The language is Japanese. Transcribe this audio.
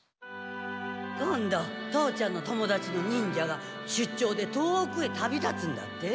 今度父ちゃんの友だちの忍者がしゅっちょうで遠くへ旅立つんだって？